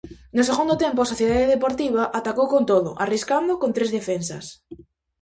No segundo tempo a Sociedade Deportiva atacou con todo, arriscando con tres defensas.